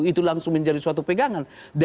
itu langsung menjadi suatu pegangan